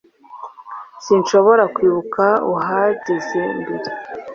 S Sinshobora kwibuka uwahageze mbere